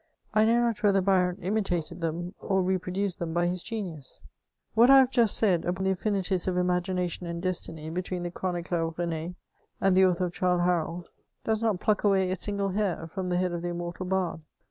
I know not whether Byron imitated them, or re produced them by his genius." What I have just said upon the affinities of imagination and destiny between the chronicler of Rency and the author of Childe Haroldy does not pluck away a single hair from the head of the immortal bard.